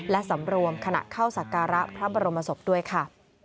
และสำรวมขณะเข้าสักการะพระบรมศพด้วยค่ะ